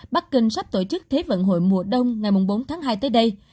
bắc kinh sắp tổ chức thế vận hội mùa đông ngày bốn tháng hai tới đây